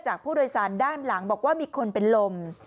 ผู้โดยสารด้านหลังบอกว่ามีคนเป็นลม